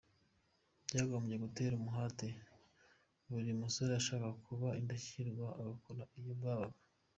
"Byagombye gutera umuhate buri musore ushaka kuba indashyikirwa agakora iyo bwabaga.